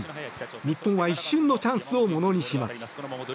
日本は一瞬のチャンスをものにします。